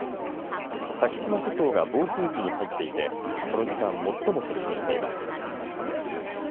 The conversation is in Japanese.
先島諸島が暴風域に入っていてこの時間最も接近しています。